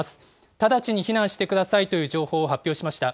直ちに避難してくださいという情報を発表しました。